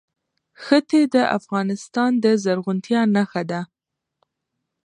ښتې د افغانستان د زرغونتیا نښه ده.